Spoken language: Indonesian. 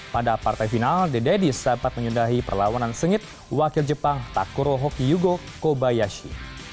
pada partai final the daddies sempat menyudahi perlawanan sengit wakil jepang takuro hoki yugo kobayashi